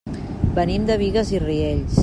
Venim de Bigues i Riells.